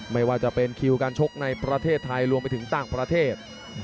ไม่ว่าจะเป็นคิวการชกในประเทศไทยรวมไปถึงต่างประเทศ